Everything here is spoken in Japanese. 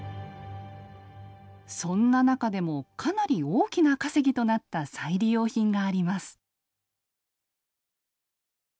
そんな中でもかなり大きな稼ぎとなった再利用品があります。